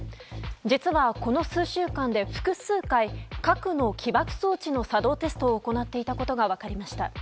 実は、この数週間で複数回核の起爆装置の作動テストを行っていたことが分かりました。